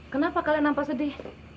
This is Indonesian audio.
kenapa kalian nampak sedih